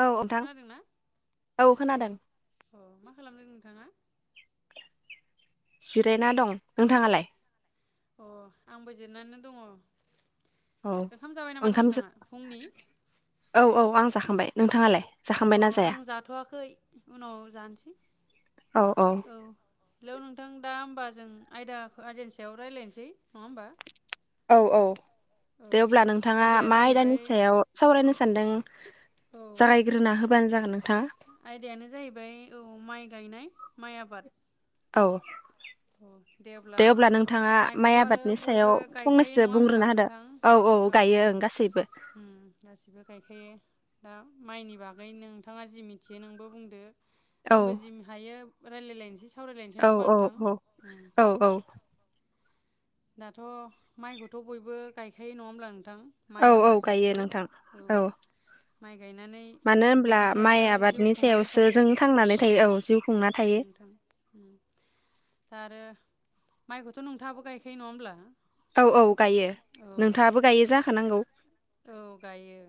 औ नोंथां खोनादोंना औ खोनादों अ मा खालामदों नोंथाङा जिरायना दं नोंथाङालाय अ आंबो जिरनानैनो दङ औ ओंखाम जाबाय नामा ओंखाम नोंथाङा फुंनि औ औ आं जाखांबाय नोंथाङालाय अ जाखांबायना जाया आं जाथ'वाखै उनाव जानोसै औ औ हेलौ नोंथां दा होमबा जों आयदा एजेन्सियाव रायलायनोसै नङा होमबा औ औ औ दे अब्ला नोंथाङा आयदाया मा आयदानि जाहैबाय सायाव सावरायनो सानदों औ जागायग्रोना होबानो जागोन नोंथाङा आयदायानो जाहैबाय औ माइ गायनाय माइ आबाद औ औ दे अब्ला नोंथाङा माइ माइखौथ' आरो आबादनि सायाव बयबो गायखायो फंनैसो नङा होमब्ला बुंग्रोना होदो नोंथां औ गायो औ ओं गासैबो उम गासिबो गायखायो दा माइनि बागै नोंथाङा जि मिथियो नोंबो बुंदो औ आंबो जिम हायो रायलाय लायनो सावरायलायनोसै नङा औ होमबा औ नोंथां औ औ औ दाथ' माइखौथ' बयबो गायखायो नङा होमब्ला नोंथां औ माइ औ आबाद गायो जिहेथु नोंथां औ माइ गायनानै मानो होनब्ला बिनि माइ सायावनो जिउ आबादनि खुंनानै सायावसो थायो जों थांनानै थायो औ जिउ खुंना औ थायो नोंथां उम दा आरो माइखौथ' नोंथाङाबो गाय खायो नङा होमब्ला औ औ गायो औ नोंथाङाबो गायो जाखानांगौ औ गायो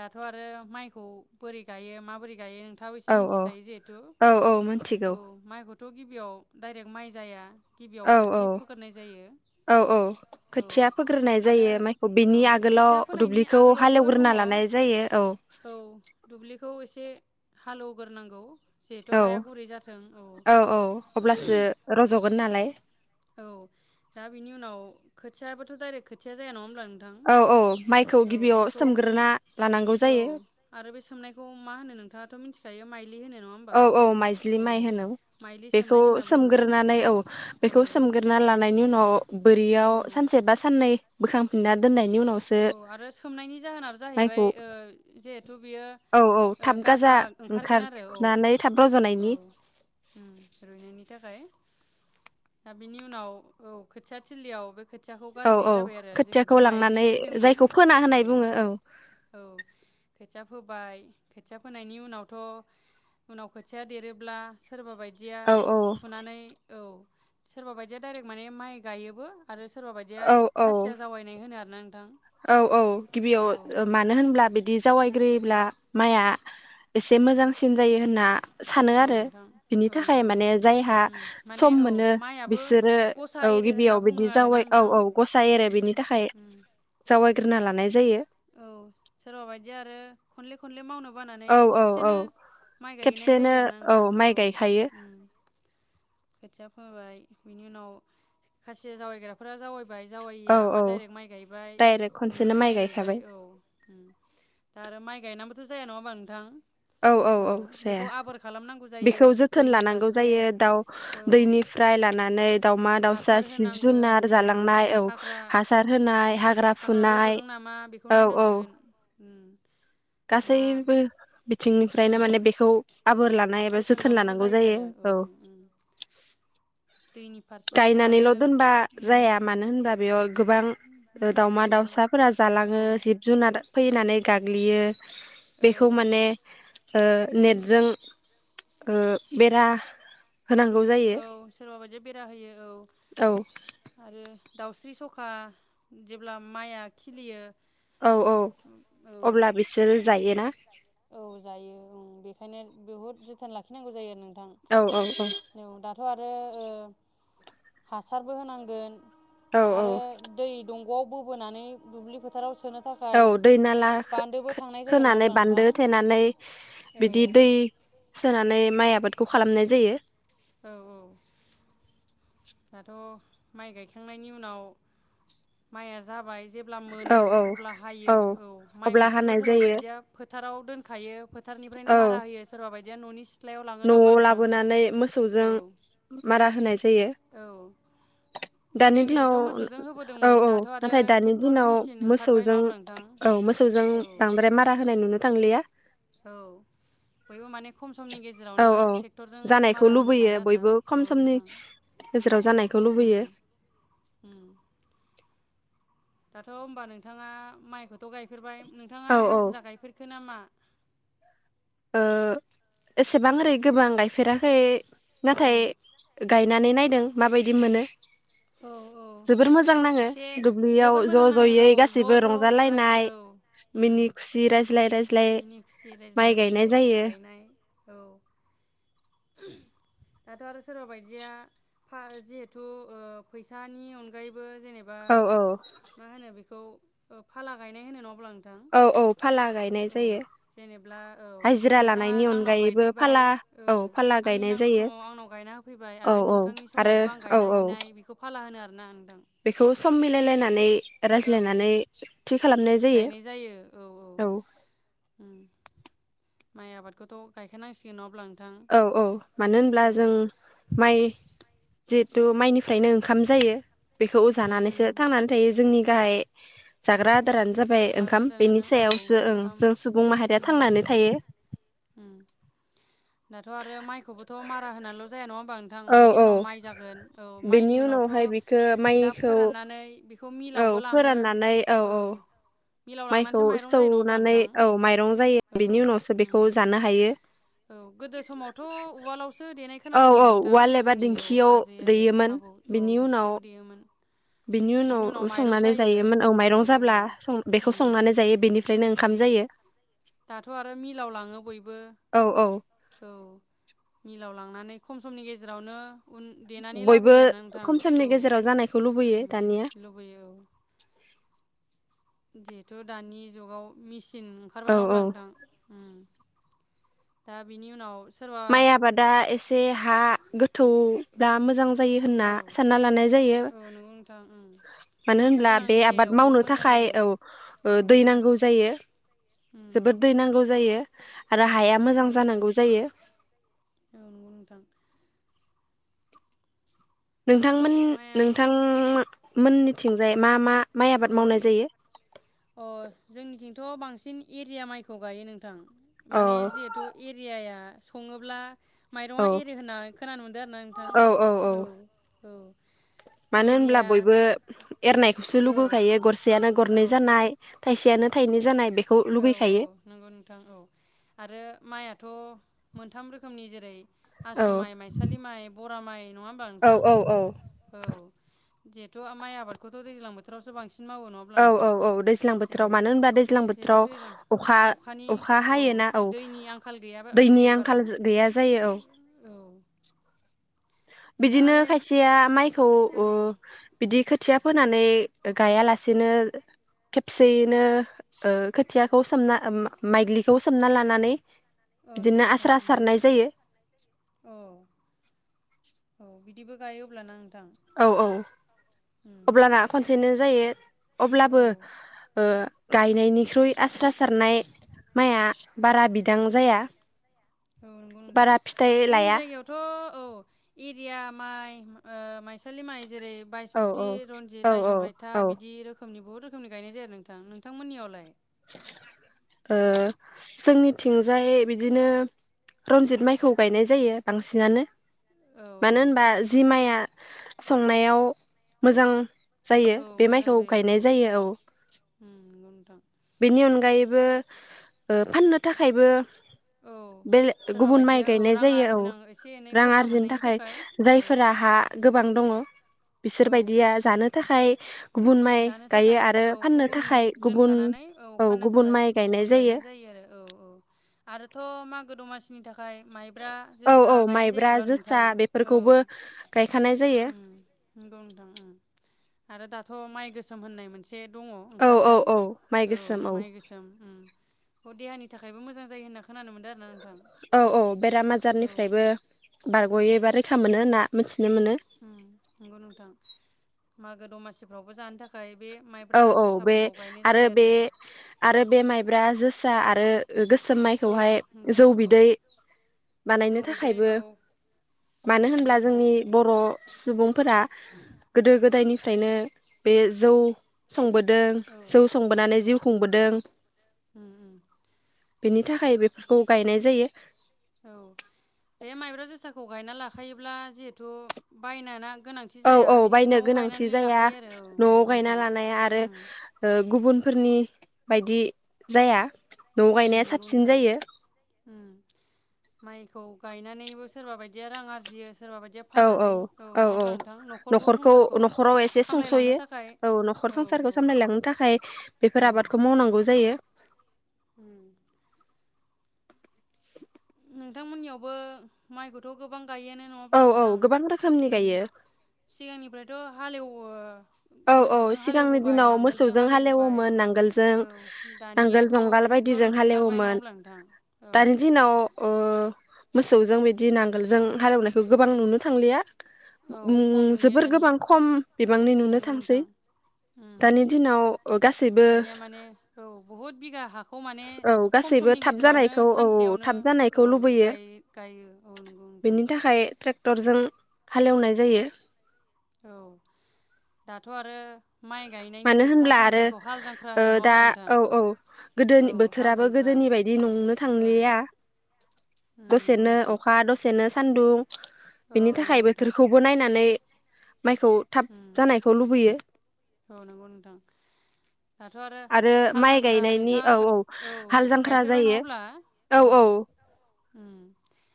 दाथ' आरो माइखौ बोरै गायो माबोरै गायो नोंथाङाबो एसे औ औ मिथिखायो जिहेथु औ औ मिथिगौ औ माइखौथ' गिबियाव डाइरेक्ट माइ जाया गिबियाव औ औ खोथि फोग्रोनाय जायो औ औ खोथिया औ फोग्रोनाय आरो जायो माइखौ औ बिनि खोथिया आगोलाव फोनायनि दुब्लिखौ आगोलावबो दङ हालेवग्रोना औ लानाय जायो औ दुब्लिखौ एसे एसे हालौग्रोनांगौ जिहेथु औ हाया गुरै जाथों औ औ अब्लासो रज'गोन नालाय औ दा बिनि उनाव खोथियाबोथ' दाइरेक्ट खोथिया जाया नङा अब्ला नोंथां माइखौ औ गिबियाव बेखौ सोमग्रोना लानांगौ औ जायो आरो बे सोमनायखौ मा होनो नोंथाङा नोंथ' मिथिखायो माइ औ औ माइज्लि माइ होनो माइलि बेखौ सोमनाय होनना बुङो सोमग्रोनानै औ औ बेखौ सोमगोर ना लानायनि उनाव बोरियाव औ सानसे बा साननै बोखांफिनना दोननाय औ आरो सोमनायनि जाहोनाब जाहैबाय माइखौ ओ जिहेथु बियो ओ गाजा ओंखारगोन आरो औ नानै थाब औ रज'नायनि उम रुइनायनि थाखाय दा बिनि उनाव औ खोथिया थिलियाबो खोथियाखौ औ गारहैनाय औ जाबाय आरो जिखौथु खोथियाखौ माइलि लांनानै दोंमोन जायखौ फोना औ होनाय बुङो औ औ बेखौबो फोबाय खोथिया फोनायनि उनावथ' उनाव खोथिया देरोब्ला सोरबा बायदि दिया औ औ फुनानै औ सोरबा बायदिया दडाइरेक्ट माने माइ गायोबो आरो सोरबा बायदिया औ खासिया जावैनाय होनो आरो ओम औ औ गिबियाव ओ मानो होनब्ला बिदि जावाय ग्रोयोब्ला माइआ एसे मोजांसिन जायो होनना सानो औ आरो नोंथां बिनि औ थाखाय नंगौ माने जायहा उम माने सम औ मोनो माइआबो बिसोरो गसा औ एरो होनना गिबियाव बुङो बिदि आरोना जावै औ नोंथां औ गसाइ एरो बिनि थाखाय उम जावायग्रोना लानाय जायो औ सोरबा बायदि आरो खनले खनले मावनांगौ बानानै औ औ औ खबसेनो माइ गायहनाय खेबसेनो जायो आरोना नोंथां माइ औ गायखायो खोथिया फोबाय बिनि उनाव खासिया जावैग्राफोरा जावैबाय बाय औ जावैया मा औ दरे माइ गायबाय डाइरेक्ट खनसेनो थोंजोङै माइ गायबाय गायखाबाय औ दा आरो माइ गायना थो जाया नङा होनबा नोंथां औ औ औ जाया बेखौ आबोर खालामनांगौ जायो बेखौ जोथोन दैनि लानांगौ फारसे जायो दाउ औ दैनिफ्राय लानानै दाावमा दाउसा हासार जिब होनांगोन जुनार औ जालांनाय औ हाग्रा हासार होना [unintelligible] हाग्रा रज'दों नामा बेखौ नायनांगोन। दा गासैबो बि थिंनिफ्रायनो उम माने बेखौ आबोर लानाय एबा जोथोन लानांगौ जायो औ। दैनि फारसे आरो गायनानैल' दोनबा उम जाया मानो होनबा बेयाव उम गोबां नंगौ दाउमा नोंथां दाउसाफोरा औ जालाङो जिब जुनार फैनानै गाग्लियो औ बेखौ माने ओ नेटजों आ बेेरा होनांगौ जायो औ सोरबा बायदिया बेरा होयो औ औ आरो दाउस्रि सखा जेब्ला माइआ खिलियो औ औ औ अब्ला बिसोरो जायो ना औ जायो ओं बेखायनो बहुद जोथोन लाखिनांगौ जायो आरो औ औ नों [unintelligible] थ' आरो हासारबो होनांगोन। औ औ आरो दै दं नआव बोनानै दुब्लि फोथाव सो सोनो थाखाय औ दै नाला बान्दोबो थांनाय जायो नङा होमब्ला नोंथां? नानै औ बिदि दै सोनानै माइ आबादखौ खालामनाय जायो। औ औ दाथ' माइ गायखांनायनि उनाव माइया जाबाय जेब्ला औ मोनो औ अब्ला हायो औ माइ अब्ला मोनसेखौ हानाय सोरबा जायो बायदिया फ फोथाराव दोनखायो फोथारनिफ्रायनो औ मारा होयो सोरबा बायदि [unintelligible] न'आव लाबोनानै मोसौ औ मोसौजों मारा होनाय जायो औ दानि दिनाव सिगांनिफ्रायथ' मोसौजों औ होबोदोंमोन औ दाथ' आरो नाथाय दानि ट्रेक्टर दिनाव मेसिन ओंखारबाय मोसौजों नङा अब्ला नोंथां औ मोसौजों औ बांद्राय मारा होनाय नुनो थांलिया। औ बयबो माने खम समनि गेजेराव औ औ जानायखौ लुबैयो आरोना बयबो औ खम समनि नोंथां गेजेराव जानाय खौ उम लुबैयो उम दाथ' होनबा नोंथाङा माइखौथ' गायफेरबाय नोंथाङा औ औ हाजिरा गायफेरखो नामा? ओ एसेबां ओरै गोबां गायफेराखै। औ नाथाय गाइ यनानै नायदों माबायदि मोनो। औ औ जोबोर मोजां नाङो एसे दुब्लियाव जोबोर मोजां ज' नाङो ज'यै औ गासैबो ज' ज' राय रंजालायनाय औ उम मिनि खुसि राय ज्लाय रायज्लाय माइ गायनाय ज्लाय जायो गायनाय औ। दाथ' [unintelligible] सोरबा बायदिया जिहेथु ओ फैसानि अनगायैबो बो जेनेबा औ औ मा होनो बेखौ फाला गायनाय होनो नङा होनबा औ औ फाला गायनाय जायो जेनेब्ला औ हाजिरा नोंथाङा लानायनि आंनाव अनगायैबो गायफैबाय फाला औ फाला आंनि गायनाय नांगौ जायो समाव आंनाव गायना होफैबाय औ आरो औ नोंथांनि आरो समावबो आं औ गायना औ हैनाय बेखौ फा ला होनो आरो नों बेखौ सम मिलायलायनानै औ रायज्लायनानै गायनाय जायो औ औ। माइ आबादखौथ' गायखानांसिगोन नङा होनबा औ औ मानो होनब्ला जों माइ जि थु माइनिफ्रायनो ओंखाम जायो। बेखौ उम उम जानानैसो थांनानै थायो जोंनि गाहाय जाग्रा आदारानो जाबाय जाग्रा ओंखाम बेनि आदारानो औ सायावसो ओं ओंखाम जों सुबुं माहारिया नंगौ थांनानै नोंथां थायो। उम दाथ' आरो माइखौबोथ' मारा होनानैल जाया नङा नोंथां बेनि थायो उनाव माइ जागोन औ माइनि बेनि उनावहाय बिखो उनावथ' दा माइखौ फोराननानै बेखौ औ मिलावबो लाङो फोराननानै औ औ। मिलाव माइखौ लांनानैसो माइरं जायो नङा होमब्ला सौनानै नोंथां औ माइरं जायो औ बेनि उनावसो बेखौ उम जानो हायो। औ गोदो समावथ' उवालावसो देनाय औ खोनादोंमोन औ नोंथां उवाल एबा जोंनि दिंखियाव आजै-आजौ, दैयोमोन आबौ औ बिनि उनाव दिखियाव देयोमोन। बिनि उनाव संनानै जायोमो औ माइरं जाब्ला बेखौ उम संनानै जायो बेनिफ्रायनो उम ओंखाम जायो दाथ' आरो मिलाव लाङो बयबो औ औ औ मिलाव लांनानै खम समनि गेजेरावनो उन देनानै बयबो लाबोयो आरोना नोंथां खम समनि गेजेराव जानायखौ औ लुबैयो दानिया लुबैयो औ जिहेथु दानि जुगाव मिसिन थिन ओंखारबाय नङा अब्ला नोंथां दा बिनि उनाव सोरबा माइ आबादा एसे हा गो थौब्ला मोजां जायो होनना औ सानना लानाय जायो औ नंगौ नोंथां उम मानो हासार होनब्ला गोनां बे आबाद एरियायावबो मावनो मोजां थाखाय जायो औ औ दै नोंथां नांगौ जायो उम जोबोद दै नांगौ जायो आरो हाया मोजां औ जानांगौ जायो [inaudible] नोंथांमोन माइआ नोंथां मोननि थिंजाय मा मा माइ आबाद औ मावनाय जायो अ जोंनिथिंथ' बांसिन एरिया माइखौ गायो नोंथां औ माने जिहेथु एरियाया सङोब्ला औ माइरङा एरो होनना खोनानो मोनदों आरो ना औ औ नोंथां औ औ मानो होनब्ला एरिया बयबो एरनायखौसो औ लुगैखायो गरसेयानो औ गरनै जानाय थाइसेयानो थाइनै जानाय बे औ औ नंगौ नोंथां औ आरो माइआथ' मोनथाम रोखोमनि जेरै औ आसु माइ माइसालि माइ बरा माइ नङा होनबा नोंथां औ औ जिहेथु माइ आबादखौथ दैजां बोथोरावसो बांसिन मावो नङा अब्ला औ नोंथां औ औ दैज्लां बोथोराव औ मानो होनबा दैज्लां बोथोर जिहेथु दैजां अखानि औ दैनि आंखाल गैयाबा दैनि जायो बारा आंखाल गैया जायो औ औ बिदिनो नोंथाङालाय खायसेया माइखौ ओ औ औ बिदि खो खोथिया फोनानै गायालासेनो खेबसेयैनो ओ खोथियाखौ सोमना माइग्लिखौ सोमना लानानै औ नंगौ बिदिनो नोंथां आस्रा सारनाय जायो औ औ बिदिबो गायो अब्ला ना? औ औ अब्लाना खनसेनो जायो औ अब्लाबो ओ गायनायनिख्रुइ आस्रा सारनाय माइआ बारा बिदां जाया औ नंगौ नोंथां बारा फिथाइ जोंनि लाया जायगायावथ' औ एरिया माइ ओ माइसालि माइ जेरै औ बायसमुथि औ रनजित आयजं हायथा औ ओ बिदि रोखोमनि बहुत रोखोमनि गायनाय जाया नोंथां नोंथांमोननियावलाय? ओ जोंनिथिंजाय बिदिनो रन्जित माइखौ गायनाय जायो बांसिनानो। औ मानो औ होनबा जि माइया संनायाव मोजां जायो औ बे मोजां माइखौ जायो गायनाय औ नंगौ नोंथां। बेनि अनगायैबो ओ फाननो थाखायबो औ बेले सोरबा गुबुन माइ बायदिया औ गायनाय रां जायो औ आरजिनां एसे एनै रां खरसा आरजिनो मोननायनि थाखाय औ जायफोरा हा गोबां दङ औ बिसोरबायदिया जानो थाखाय [unintelligible] गुबुन माइ जानो थाखाय गायो आरो औ फाननो गुबुन थाखाय गुबुन दोनखानानै औ फाननो थाखाय गुबुन गायनाय जायो आरो औ औ आरोथ' मागो दमाससिनि थाखाय माइब्रा औ जोसा औ गायनाय माइब्रा जायोब्ला जोसा नोंथां औ बेफोरखौबो गायखानाय जायो नंगौ नोंथां आरो दा थ' माइ गोसोम होननाय मोनसे से दङ औ औ ओंखारदों औ माइ औ गोसोम माइ गोसोम अ देहानि थाखायबो मोजां जायो होन्ना खोनानोम मोनो। औ औ बेराम औ आजारनिफ्रायबो औ बारग'योबा रैखा मोनो होनना [inaudible] नंगौ नोंथां मागो दमासिफ्रावबो जानो थाखाय बे औ माइब्रा औ बे जोसाफोरखौ गायनाय आरो जाबाय बे आरो बे माइब्रा जोसा आरो आरो गोसोम औ माइखौहाय नोंथां जौ औ बिदै जौ बानायनो बिदै थाखायबो औ मानो नंगौ होनब्ला नोंथां जोंनि बर' सुबुंफोरा गोदो गोदायनि ओंखायनो बे जौ संबोदों औ जौ संबोनानै नंगौ जिउ खुंबोदों उम उम बेनि थाखाय बेफोरखौ गायनाय जायो औ बे माइब्रा जोसाखौ गायना लाखायोब्ला जिहेथु बायनानो औ औ बायनो गोनांथि जाया आरो औ नआव नंगौ गायना नोंथां लानाय आरो उम ओ गुबुनफोरनि बायदि जाया न उम गायनाया नंगौ साबसिन नोंथां जायो माइखौ गायनानैबो सोरबा बायदिया रां आरजियो सोरबा बायदिया औ औ फाननानै औ औ नङाब्ला नोंथां नखरखौ संसारखौ नखराव एसे सामलायलांनो थाखाय सुंसयो औ नखर संसारखौ सामलायलांनो थाखाय बेफोर उम आबादखौ मावनांगौ जायो उम नोंथांमोननियावबो माइखौथ गोबां गायोनो नङा औ होमब्ला औ नोंथां गोबां रोखोमनि उम गायो सिगांनिफ्रायथ हालेव अ [unintelligible] औ औ सिगांनि दिनाव मोसौजों हालेवबोबाय हालेवोमोन नांगोलजों औ नांगोल दानियाथ' जुंगाल ट्रेक्टर बायदिजों ओंखारबाय नङा हालेवोमोन होमब्ला नोंथां औ दानि दिनाव ओ मोसौजों बिदि दि नांगोल जों हालेवनायखौ गोबां नुनो थांलिया औ खम उम नुयो जोबोर दानिया गोबां खम बिबांनि नंगौ नुनो नोंथां दानि दिनाव गासैबो दानिया माने औ बहुद बिगा हाखौ माने औ खम गासैबो समनि थाब गेजेरावनो जानायखौ औ सानसेयावनो थाब औ जानायखौ लुबैयो गाय गायो औ नंगौ नोंथां बेनि थाखाय ट्रेक्टरजों हालेवनाय जायो औ दाथ आरो माइ गायनायनि मानो जोबथा होनब्ला सान जेखौ हाल जांख्रा आरो होनो नङा दा अब्ला नोंथां औ औ गोदो औ हाल बोथोराबो जांख्रा गोदोनि बायदि नंनो औ थांलिया उम नंगौ दसेनो नोंथां अखा दसेनो सान्दुं औ बिनि नंगौ थाखाय नोंथां बोथोरखौबो नायनानै माइखौ थाब उम जानायखौ लुबैयो औ नंगौ नोंथां दाथ आरो हाल माइ जांख्रा गायनायनि औ नोंथाङा औ हाल जांख्रा गायफेरबाय जायो नङाब्ला औ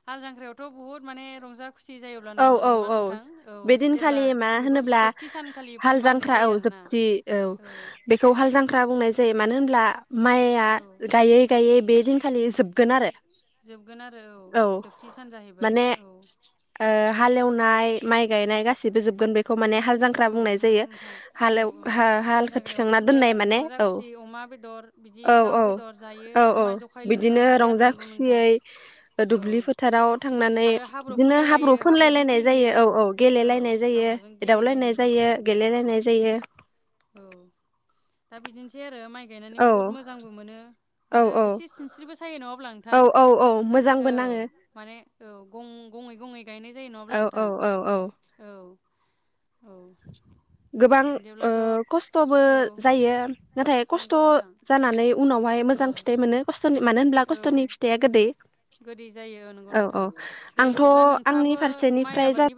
हाल जांख्रायावथ बुहुत माने रंजा खुसि जायोब्ला औ औ नङा औ नोंथां औ बेदिनखालि जेब्ला मा बेखौ होनोब्ला जोबथि सानखालि हाल मानिनाय जांख्रा जायो औ आरोना जोबथि औ बेखौ हाल जांख्रा बुंनाय जायो मानो होनब्ला माया औ गायै गायै बे दिनखालि जोबगोन आरो जोबगोन आरो औ जोबथि सान जाहैबाय माने औ। ओ हालेवनाय माइ गायनाय गासिबो जोबगोन बे खौ माने हाल जांख्रा औ बुंनाय नंगौ जायो नोंथां हाल औ औ हाल हालखौ जांख्रायाव थिखांना बयबो दोननाय माने रंजा औ खुसि अमा बेदर बिदि औ दाउ औ बेदर जायो औ औ जुमाय जखाय लोङो बिदिनो बिदि आरो रंजा नंगौ नोंथां खुसियै औ दुब्लि फोथाराव थांनानै आरो हाब्रु बिदिनो हाब्रु फुनलायलायो हाब्रुजों फोनलायलायनाय जायो गेलेयो औ औ गेलायनाय जायो। हाब्रुजों गेलेलायनाय जावलायनाय जायो औ नंगौ नोंथां गेलेलायनाय जायो। औ दा बिदिनोसै आरो माइ। माइ गायनानै औ बहुद मोजांबो मोनो औ आरो औ एसे सिनस्रिबो सायो नङा अब्ला औ नोंथां औ औ मोजांबो औ नाङो माने औं गं गंङै गं गायनाय जायो नङाब्ला औ औ नोंथां औ औ औ। औ। गोबां ओ बिदिब्लाथ' खस्थ'बो औ जायो नाथाय खस्थ' नंगौ नोंथां जानानै उनावहाय औ मोजां फिथाइ मोनो खस्थ'नि मानो होनब्ला औ खस्थ'नि फिथाइआ गोदै। गोदै जायो नंगौ औ औ नोंथां दे आंथ' बिदिब्ला आंनि नोंथाङाबो माइ फारसेनिफ्राय आबादनि ब